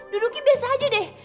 duduknya biasa aja deh